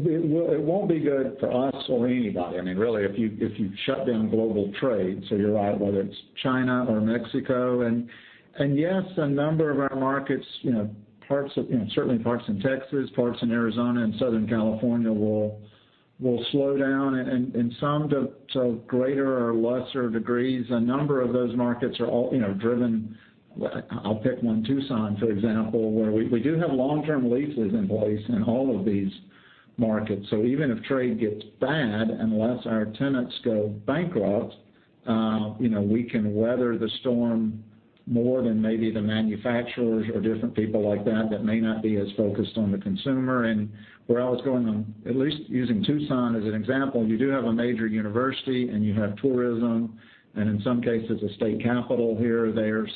It won't be good for us or anybody, really, if you shut down global trade. You're right, whether it's China or Mexico. Yes, a number of our markets, certainly parts in Texas, parts in Arizona and Southern California will slow down in some to greater or lesser degrees. A number of those markets are all driven. I'll pick one, Tucson, for example, where we do have long-term leases in place in all of these markets. Even if trade gets bad, unless our tenants go bankrupt, we can weather the storm more than maybe the manufacturers or different people like that that may not be as focused on the consumer. Where I was going on, at least using Tucson as an example, you do have a major university, and you have tourism, and in some cases, a state capital here or there.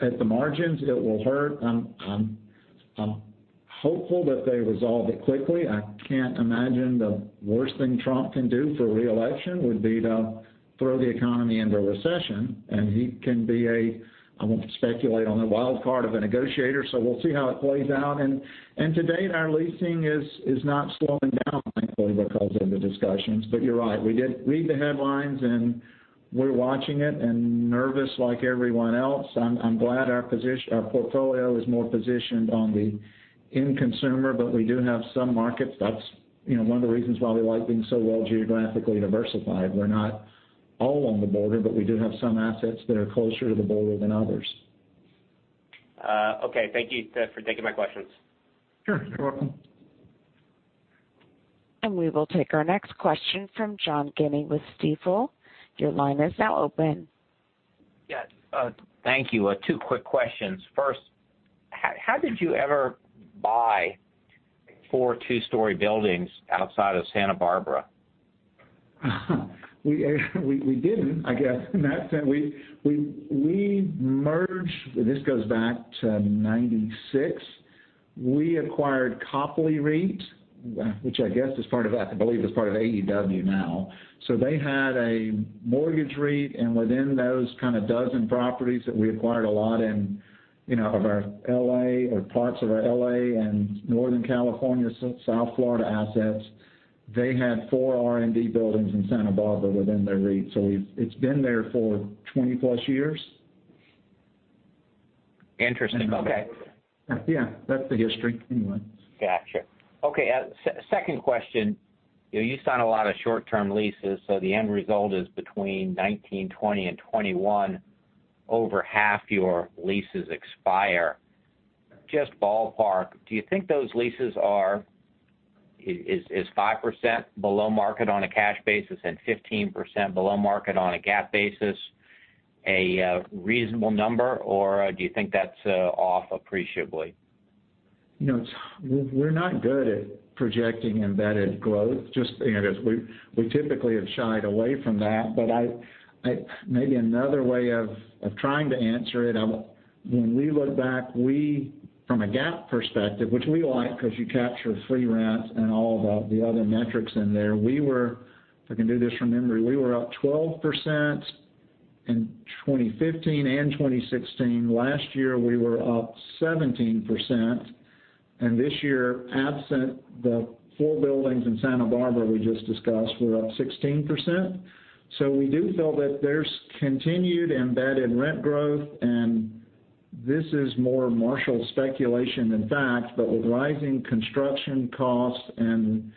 At the margins, it will hurt. I'm hopeful that they resolve it quickly. I can't imagine the worst thing Trump can do for re-election would be to throw the economy into a recession. I won't speculate on the wild card of a negotiator. We'll see how it plays out. To date, our leasing is not slowing down, thankfully, because of the discussions. You're right. We did read the headlines, and we're watching it and nervous like everyone else. I'm glad our portfolio is more positioned on the end consumer, but we do have some markets. That's one of the reasons why we like being so well geographically diversified. We're not all on the border, but we do have some assets that are closer to the border than others. Okay. Thank you for taking my questions. Sure. You're welcome. We will take our next question from John Guinee with Stifel. Your line is now open. Yes. Thank you. Two quick questions. First, how did you ever buy four two-story buildings outside of Santa Barbara? We didn't, I guess, in that sense. We merged, this goes back to 1996. We acquired Copley REIT, which I believe is part of AEW now. They had a mortgage REIT, and within those kind of dozen properties that we acquired a lot in of our L.A. or parts of our L.A. and Northern California, South Florida assets. They had four R&D buildings in Santa Barbara within their REIT. It's been there for 20-plus years. Interesting. Okay. Yeah. That's the history, anyway. Got you. Okay, second question. The end result is between 2019, 2020, and 2021, over half your leases expire. Just ballpark, do you think those leases are, is 5% below market on a cash basis and 15% below market on a GAAP basis a reasonable number, or do you think that's off appreciably? We're not good at projecting embedded growth. Just as we typically have shied away from that. Maybe another way of trying to answer it, when we look back, we, from a GAAP perspective, which we like because you capture free rent and all the other metrics in there. If I can do this from memory, we were up 12% in 2015 and 2016. Last year, we were up 17%, and this year, absent the four buildings in Santa Barbara we just discussed, we're up 16%. We do feel that there's continued embedded rent growth, and this is more Marshall speculation than fact, but with rising construction costs and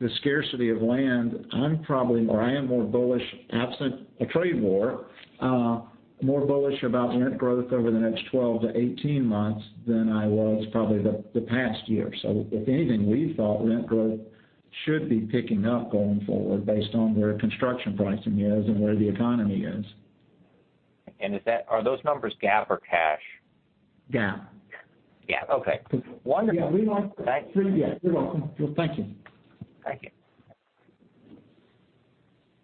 the scarcity of land, I am more bullish, absent a trade war, more bullish about rent growth over the next 12 to 18 months than I was probably the past year. If anything, we thought rent growth should be picking up going forward based on where construction pricing is and where the economy is. Are those numbers GAAP or cash? GAAP. GAAP. Okay. Wonderful. Yeah, we like. Thanks. Yeah, you're welcome. Thank you. Thank you.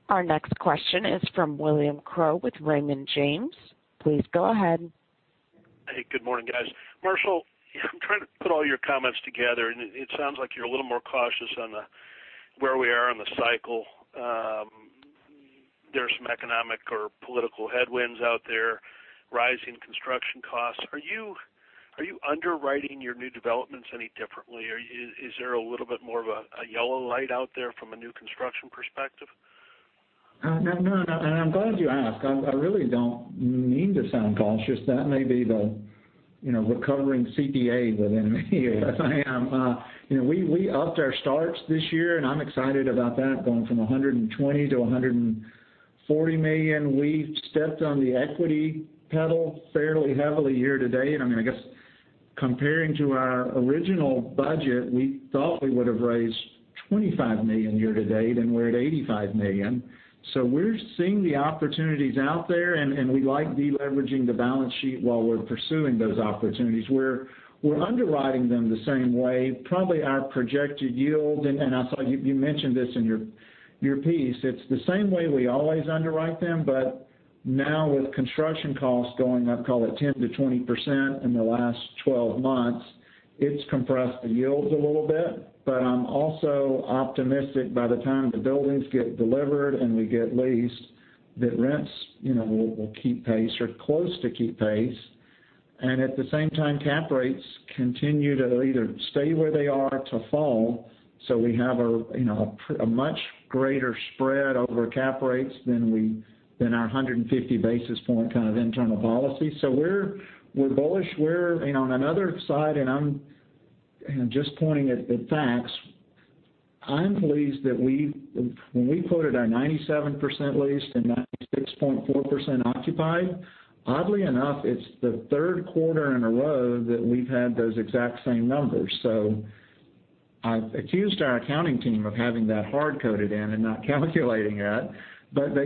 Our next question is from William Crow with Raymond James. Please go ahead. Hey, good morning, guys. Marshall, I'm trying to put all your comments together, it sounds like you're a little more cautious on where we are in the cycle. There's some economic or political headwinds out there, rising construction costs. Are you underwriting your new developments any differently? Is there a little bit more of a yellow light out there from a new construction perspective? No, I'm glad you asked. I really don't mean to sound cautious. That may be the recovering CPA within me that I am. We upped our starts this year, I'm excited about that, going from $120 million-$140 million. We've stepped on the equity pedal fairly heavily year to date. I guess comparing to our original budget, we thought we would've raised $25 million year to date, we're at $85 million. We're seeing the opportunities out there, we like deleveraging the balance sheet while we're pursuing those opportunities. We're underwriting them the same way. Probably our projected yield, I saw you mentioned this in your piece, it's the same way we always underwrite them. Now with construction costs going, I'd call it 10%-20% in the last 12 months, it's compressed the yields a little bit. I'm also optimistic by the time the buildings get delivered and we get leased, that rents will keep pace or close to keep pace. At the same time, cap rates continue to either stay where they are to fall, we have a much greater spread over cap rates than our 150 basis point kind of internal policy. We're bullish. On another side, and I'm just pointing at the facts, I'm pleased that when we quoted our 97% leased and 96.4% occupied, oddly enough, it's the third quarter in a row that we've had those exact same numbers. I've accused our accounting team of having that hard-coded in and not calculating it.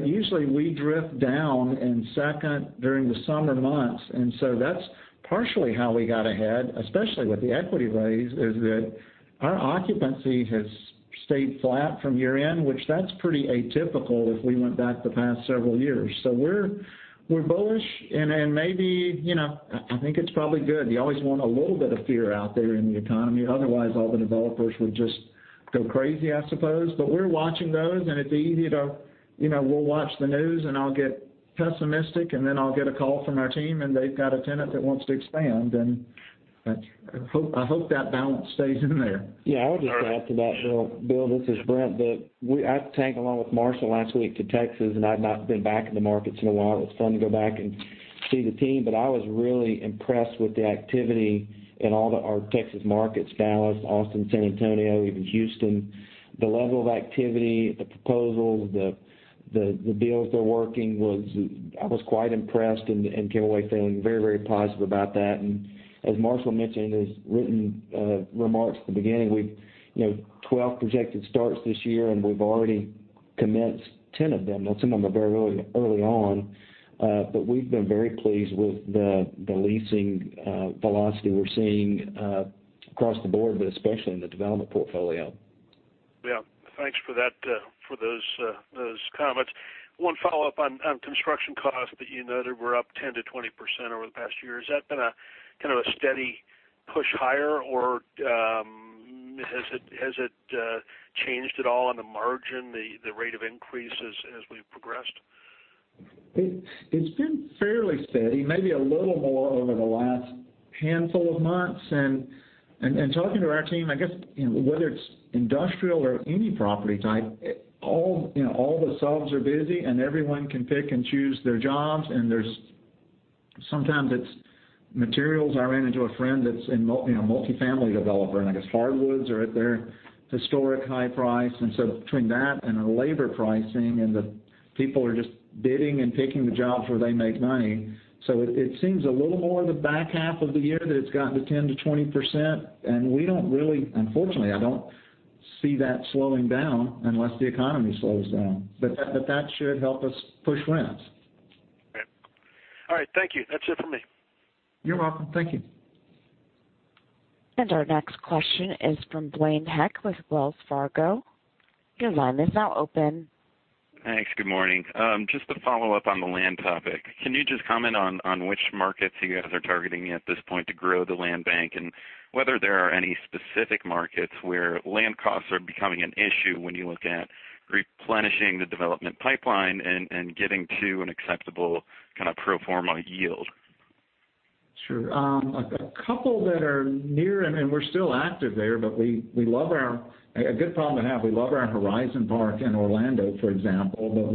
Usually, we drift down in second, during the summer months. That's partially how we got ahead, especially with the equity raise, is that our occupancy has stayed flat from year-end, which that's pretty atypical if we went back the past several years. We're bullish and maybe, I think it's probably good. You always want a little bit of fear out there in the economy. Otherwise, all the developers would just go crazy, I suppose. We're watching those, and we'll watch the news, and I'll get pessimistic, and then I'll get a call from our team, and they've got a tenant that wants to expand. I hope that balance stays in there. Yeah. I would just add to that, Bill. This is Brent. I tagged along with Marshall last week to Texas, and I've not been back in the markets in a while. It was fun to go back and see the team. I was really impressed with the activity in all of our Texas markets, Dallas, Austin, San Antonio, even Houston. The level of activity, the proposals, the deals they're working, I was quite impressed and came away feeling very, very positive about that. As Marshall mentioned in his written remarks at the beginning, we've 12 projected starts this year, and we've already commenced 10 of them. Now, some of them are very early on. We've been very pleased with the leasing velocity we're seeing across the board, but especially in the development portfolio. Yeah. Thanks for those comments. One follow-up on construction costs that you noted were up 10%-20% over the past year. Has that been a steady push higher, or has it changed at all on the margin, the rate of increase as we've progressed? It's been fairly steady, maybe a little more over the last handful of months. In talking to our team, I guess, whether it's industrial or any property type, all the subs are busy, and everyone can pick and choose their jobs. Sometimes it's materials. I ran into a friend that's a multifamily developer, and I guess hardwoods are at their historic high price. Between that and the labor pricing, and the people are just bidding and picking the jobs where they make money. It seems a little more in the back half of the year that it's gotten to 10%-20%. We don't really, unfortunately, I don't see that slowing down unless the economy slows down. That should help us push rents. Okay. All right. Thank you. That's it for me. You're welcome. Thank you. Our next question is from Blaine Heck with Wells Fargo. Your line is now open. Thanks. Good morning. To follow up on the land topic, can you just comment on which markets you guys are targeting at this point to grow the land bank? Whether there are any specific markets where land costs are becoming an issue when you look at replenishing the development pipeline and getting to an acceptable kind of pro forma yield? Sure. A couple that are near, and we're still active there, but a good problem to have. We love our Horizon Commerce Park in Orlando, for example, but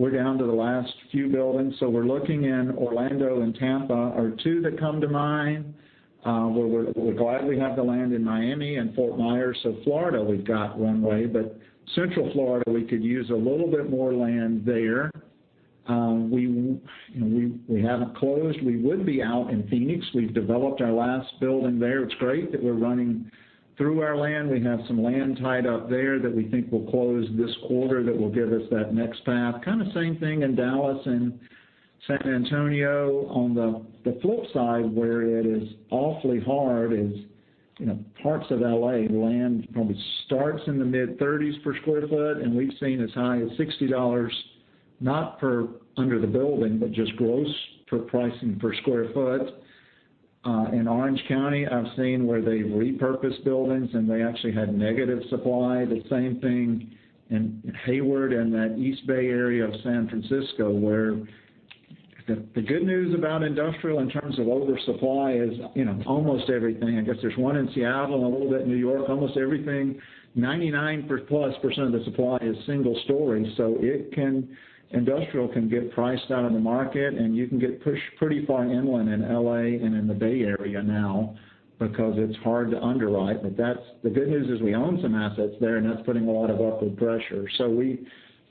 we're down to the last few buildings. We're looking in Orlando and Tampa, are two that come to mind. We're glad we have the land in Miami and Fort Myers. Florida, we've got one way, but Central Florida, we could use a little bit more land there. We haven't closed. We would be out in Phoenix. We've developed our last building there. It's great that we're running through our land. We have some land tied up there that we think will close this quarter that will give us that next path. Kind of same thing in Dallas and San Antonio. On the flip side, where it is awfully hard is parts of L.A. Land probably starts in the mid-30s per square foot, and we've seen as high as $60, not per under the building, but just gross per pricing per square foot. In Orange County, I've seen where they've repurposed buildings, and they actually had negative supply. The same thing in Hayward and that East Bay area of San Francisco. The good news about industrial in terms of oversupply is almost everything. I guess there's one in Seattle and a little bit in New York. Almost everything, 99+% of the supply is single story, so industrial can get priced out of the market, and you can get pushed pretty far inland in L.A. and in the Bay Area now because it's hard to underwrite. The good news is we own some assets there, and that's putting a lot of upward pressure. We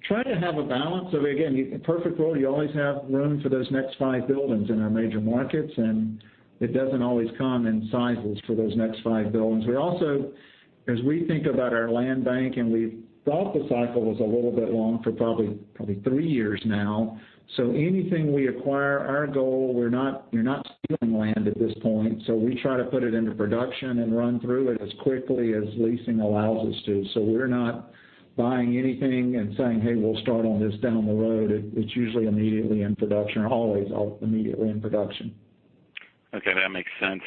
try to have a balance. Again, perfect world, you always have room for those next five buildings in our major markets, and it doesn't always come in sizes for those next five buildings. We also, as we think about our land bank, and we thought the cycle was a little bit long for probably three years now. Anything we acquire, our goal, we're not stealing land at this point. We try to put it into production and run through it as quickly as leasing allows us to. We're not buying anything and saying, "Hey, we'll start on this down the road." It's usually immediately in production, or always immediately in production. Okay. That makes sense.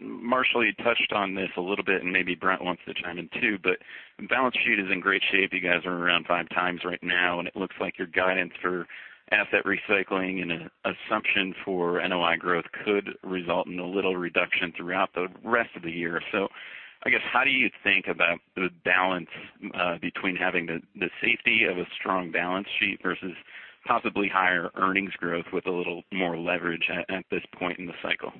Marshall, you touched on this a little bit, and maybe Brent wants to chime in, too, but the balance sheet is in great shape. You guys are around five times right now, and it looks like your guidance for asset recycling and an assumption for NOI growth could result in a little reduction throughout the rest of the year. I guess, how do you think about the balance between having the safety of a strong balance sheet versus possibly higher earnings growth with a little more leverage at this point in the cycle?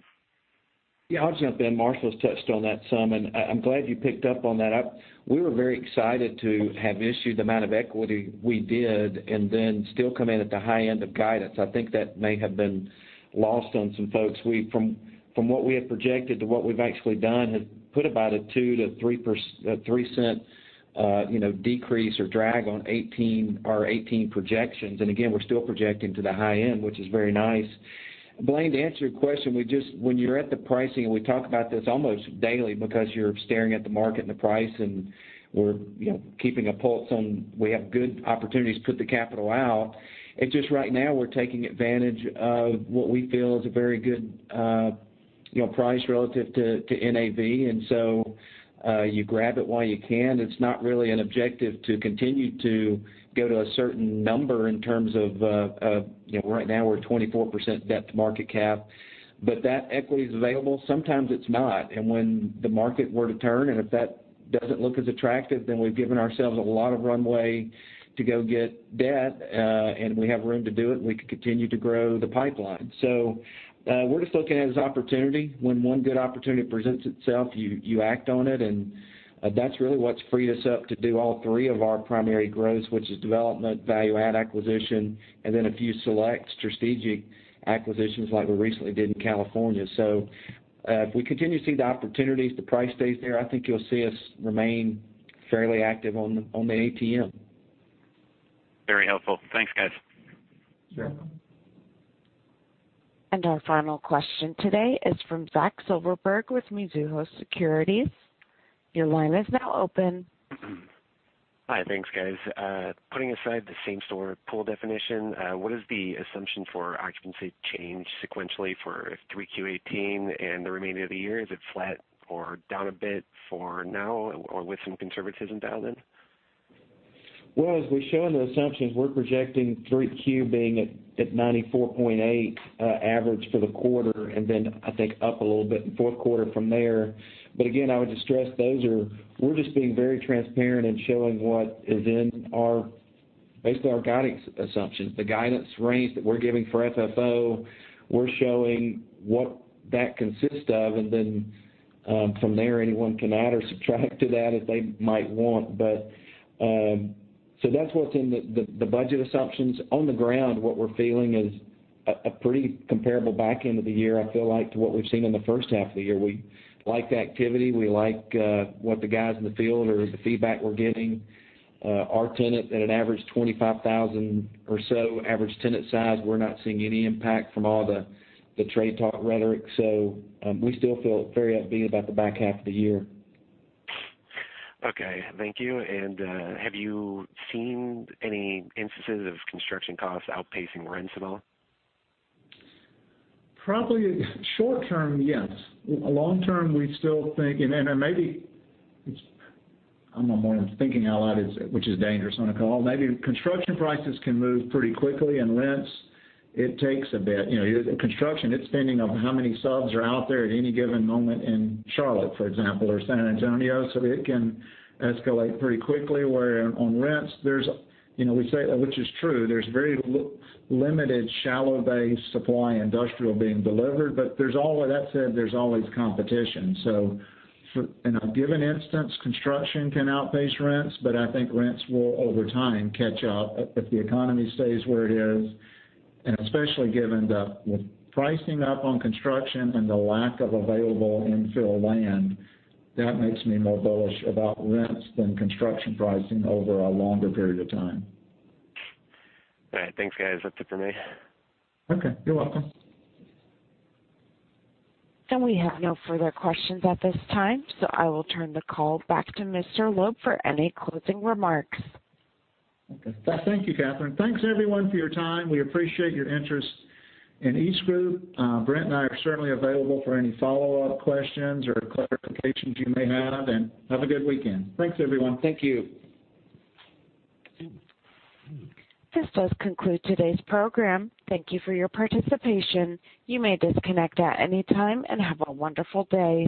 Yeah, I'll jump in. Marshall's touched on that some, I'm glad you picked up on that. We were very excited to have issued the amount of equity we did and still come in at the high end of guidance. I think that may have been lost on some folks. From what we have projected to what we've actually done has put about a $0.02-$0.03 decrease or drag on our 2018 projections. Again, we're still projecting to the high end, which is very nice. Blaine, to answer your question, when you're at the pricing, we talk about this almost daily because you're staring at the market and the price, we're keeping a pulse on when we have good opportunities to put the capital out. It's just right now, we're taking advantage of what we feel is a very good price relative to NAV. You grab it while you can. It's not really an objective to continue to go to a certain number in terms of Right now, we're 24% debt to market cap. That equity's available. Sometimes it's not, when the market were to turn, if that doesn't look as attractive, then we've given ourselves a lot of runway to go get debt, we have room to do it, we can continue to grow the pipeline. We're just looking at it as opportunity. When one good opportunity presents itself, you act on it, that's really what's freed us up to do all three of our primary growths, which is development, value add acquisition, then a few select strategic acquisitions like we recently did in California. If we continue to see the opportunities, the price stays there, I think you'll see us remain fairly active on the ATM. Very helpful. Thanks, guys. Sure. Our final question today is from Zachary Silverberg with Mizuho Securities. Your line is now open. Hi. Thanks, guys. Putting aside the same-store pool definition, what is the assumption for occupancy change sequentially for 3Q18 and the remainder of the year? Is it flat or down a bit for now or with some conservatism dialed in? Well, as we show in the assumptions, we're projecting 3Q being at 94.8 average for the quarter, and then I think up a little bit in fourth quarter from there. Again, I would just stress we're just being very transparent in showing what is in, basically our guidance assumptions. The guidance range that we're giving for FFO, we're showing what that consists of, and then from there, anyone can add or subtract to that as they might want. That's what's in the budget assumptions. On the ground, what we're feeling is a pretty comparable back end of the year, I feel like, to what we've seen in the first half of the year. We like the activity. We like what the guys in the field or the feedback we're getting. Our tenant at an average 25,000 or so average tenant size, we're not seeing any impact from all the trade talk rhetoric. We still feel very upbeat about the back half of the year. Okay. Thank you. Have you seen any instances of construction costs outpacing rents at all? Probably short term, yes. Long term, we still think, and maybe I'm now thinking out loud, which is dangerous on a call. Maybe construction prices can move pretty quickly and rents, it takes a bit. Construction, it's depending on how many subs are out there at any given moment in Charlotte, for example, or San Antonio, so it can escalate pretty quickly. Where on rents, which is true, there's very limited shallow bay supply industrial being delivered, but with that said, there's always competition. In a given instance, construction can outpace rents, but I think rents will, over time, catch up if the economy stays where it is. Especially given the pricing up on construction and the lack of available infill land, that makes me more bullish about rents than construction pricing over a longer period of time. All right. Thanks, guys. That's it for me. Okay. You're welcome. We have no further questions at this time, so I will turn the call back to Mr. Loeb for any closing remarks. Okay. Thank you, Catherine. Thanks everyone for your time. We appreciate your interest in EastGroup. Brent and I are certainly available for any follow-up questions or clarifications you may have, and have a good weekend. Thanks, everyone. Thank you. This does conclude today's program. Thank you for your participation. You may disconnect at any time, and have a wonderful day.